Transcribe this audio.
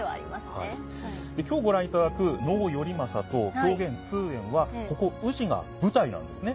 今日ご覧いただく能「頼政」と狂言「通圓」はここ宇治が舞台なんですね。